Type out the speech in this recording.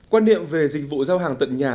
quan niệm về dịch vụ giao hàng tận nhà